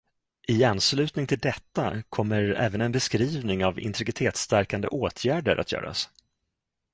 I anslutning till detta kommer även en beskrivning av integritetsstärkande åtgärder att göras.